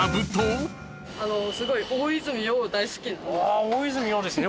あ大泉洋ですね